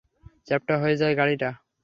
চ্যাপ্টা হয়ে যায় গাড়িটা।